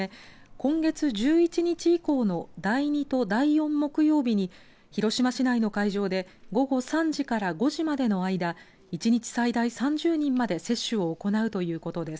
今月１１日以降の第２と第４木曜日に広島市内の会場で午後３時から５時までの間１日最大３０人まで接種を行うということです。